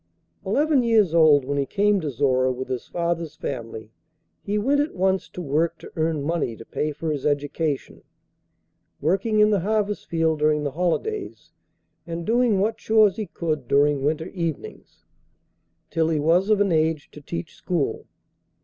Eleven years old when he came to Zorra with his father's family, he went at once to work to earn money to pay for his education, working in the harvest field during the holidays, and doing what chores he could during winter evenings, till he was of an age to teach school.